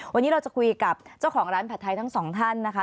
วันนี้เราจะคุยกับเจ้าของร้านผัดไทยทั้งสองท่านนะคะ